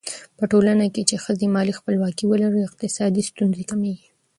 په ټولنه کې چې ښځو مالي خپلواکي ولري، اقتصادي ستونزې کمېږي.